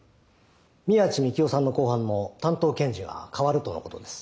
宮地幹雄さんの公判の担当検事が替わるとのことです。